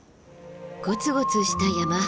ゴツゴツした山肌。